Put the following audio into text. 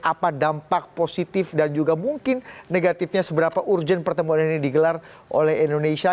apa dampak positif dan juga mungkin negatifnya seberapa urgen pertemuan ini digelar oleh indonesia